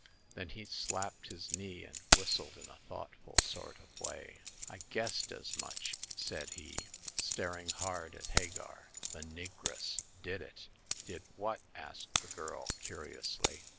Then he slapped his knee, and whistled in a thoughtful sort of way. " I guessed as much,'* said he, staring hard at Hagar. The negress did it.'* " Did what? " asked the girl, curiously.